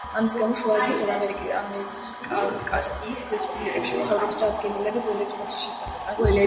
ამის გამო შუა აზიისა და ამიერკავკასიის რესპუბლიკებში მთავრობის დადგენილებები გველების დაცვის შესახებ.